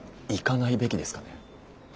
行かないべきですかね？